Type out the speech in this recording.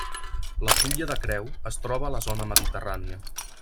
La fulla de creu es troba a la zona mediterrània.